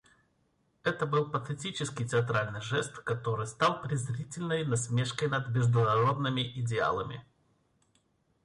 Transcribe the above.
Это был патетический, театральный жест, который стал презрительной насмешкой над международными идеалами.